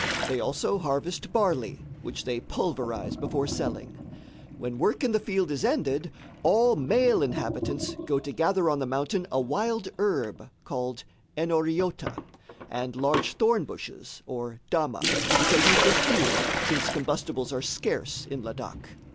They also harvest barley, which they pulverize before selling. When work in the field is ended, all male inhabitants go to gather on the mountain a wild herb called "enoriota," and large thorn bushes or "dama," which are used as fuel, since combustibles are scarce in Ladak.